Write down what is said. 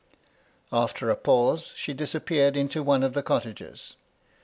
After a pause, she disappeared into one of the cottages.